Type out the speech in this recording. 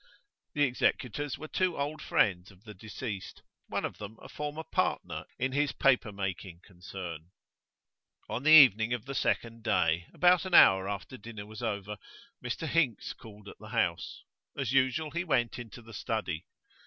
The executors were two old friends of the deceased, one of them a former partner in his paper making concern. On the evening of the second day, about an hour after dinner was over, Mr Hinks called at the house; as usual, he went into the study.